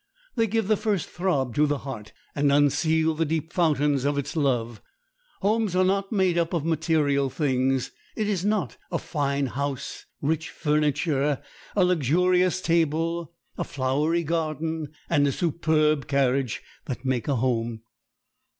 They give the first throb to the heart, and unseal the deep fountains of its love. Homes are not made up of material things. It is not a fine house, rich furniture, a luxurious table, a flowery garden, and a superb carriage, that make a home.